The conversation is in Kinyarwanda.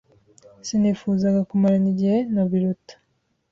Sinifuzaga kumarana igihe na Biruta.